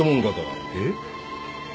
えっ？